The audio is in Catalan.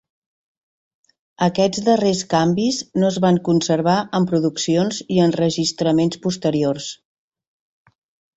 Aquests darrers canvis no es van conservar en produccions i enregistraments posteriors.